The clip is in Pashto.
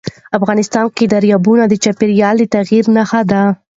افغانستان کې دریابونه د چاپېریال د تغیر نښه ده.